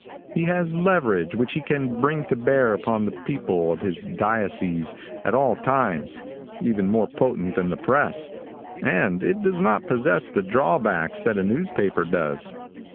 He has a leverage which he can bring to bear upon the people of his diocese at all times, even more potent than the press, and it does not possess the drawbacks that a newspaper does.